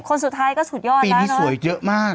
๑๐คนสุดท้ายก็สุดยอดแล้วนะครับปีนี้สวยเยอะมาก